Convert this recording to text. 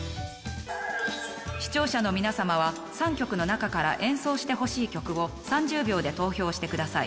視聴者の皆さまは３曲の中から演奏してほしい曲を３０秒で投票してください。